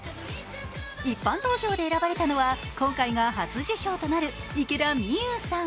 一般投票で選ばれたのは今回が初受賞となる池田美優さん。